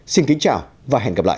xin kính chào và hẹn gặp lại